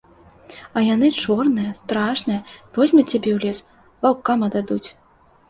А яны чорныя, страшныя, возьмуць цябе ў лес, ваўкам аддадуць!